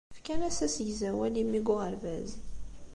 Fkan-as asegzawal i mmi deg uɣerbaz.